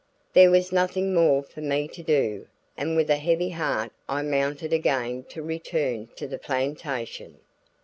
There was nothing more for me to do, and with a heavy heart I mounted again to return to the plantation.